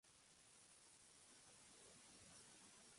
Stafford dejó Reprise cuando Sinatra lo vendió a Warner Bros.